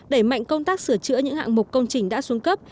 đẩy mạnh công tác sửa chữa những hạng mục công trình đã xuống cấp